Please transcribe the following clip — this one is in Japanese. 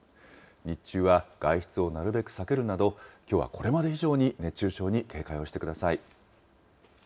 日中は外出をなるべく避けるなど、きょうはこれまで以上に熱中症に警戒をしてください。